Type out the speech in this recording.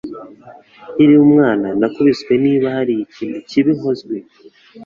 Nkiri umwana, nakubiswe niba hari ikintu kibi nakoze.